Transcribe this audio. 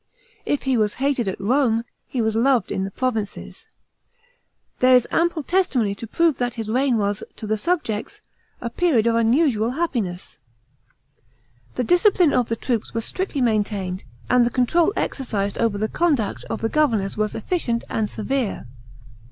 If he was hated at Rome, he was loved in the provinces. There is ample * It was raised again in 31 A.D. 192 THE PEINCIPATE OP TIBERIUS. CHAP. MIL testimony to prove that his reign was, to the subjects, a period of unusual happiness. The discipline of the troops was strictly maintained, and the control exercised over the conduct of the governors was efficient and severe.